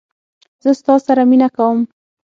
زه ستا سره مینه کوم